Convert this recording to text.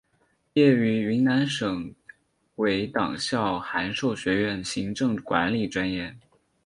毕业于云南省委党校函授学院行政管理专业。